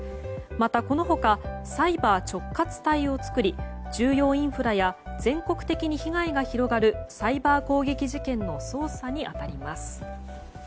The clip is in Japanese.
また、この他サイバー直轄隊を作り重要インフラや全国的に被害が広がるサイバー攻撃事件の捜査に当たります。